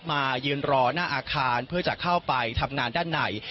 มายืนรอหน้าอาคารเพื่อจะเข้าไปทำงานด้านใน